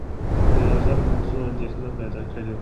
د یرغل موضوع اندېښنه پیدا کړې وه.